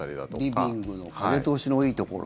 リビングの風通しのいいところ。